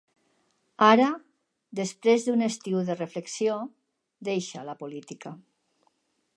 Ara, després d’un estiu de reflexió, deixa la política.